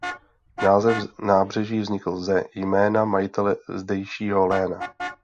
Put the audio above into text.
Název nábřeží vznikl ze jména majitele zdejšího léna.